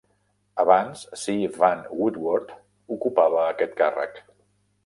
Abans, C. Vann Woodward ocupava aquest càrrec.